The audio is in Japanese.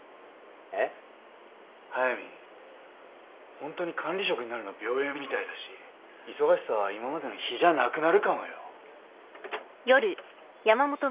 えっ？はやみんホントに管理職になるの秒読みみたいだし忙しさは今までの比じゃなくなるかもよ？